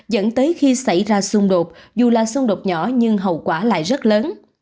dẫn tới khi xảy ra xung đột dù là xung đột nhỏ nhưng hậu quả lại rất lớn